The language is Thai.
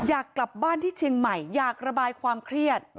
อยากกลับบ้านที่เชียงใหม่อยากระบายความเครียด